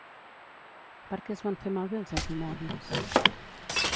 Per què es van fer malbé els automòbils?